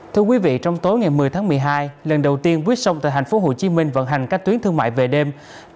thưa quý vị trong tối ngày một mươi tháng một mươi hai lần đầu tiên buýt sông tại hành phố hồ chí minh vận hành các tuyến thương mại về đêm